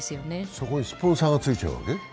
そこにスポンサーがついちゃうわけ？